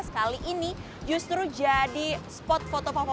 kali ini justru jadi spot foto favori